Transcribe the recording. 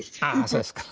そうですか。